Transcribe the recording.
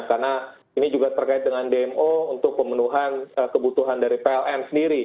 karena ini juga terkait dengan dmo untuk pemenuhan kebutuhan dari pln sendiri